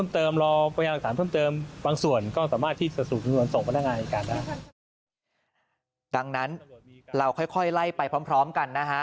ดังนั้นเราค่อยไล่ไปพร้อมกันนะฮะ